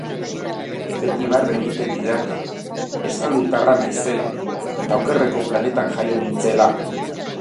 Beti barre egiten didate, estralurtarra naizela, eta okerreko planetan jaio nintzela!